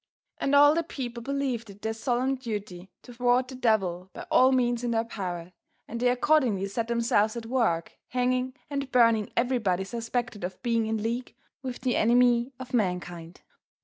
And all the people believed it their solemn duty to thwart the devil by all means in their power, and they accordingly set themselves at work hanging and burning everybody suspected of being in league with the Enemy of mankind.